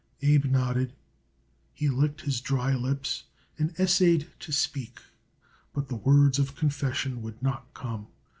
Abe nodded. He licked his dry lips and essayed to speak, but the words of confession would not come.